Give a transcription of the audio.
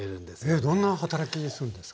えどんな働きするんですか？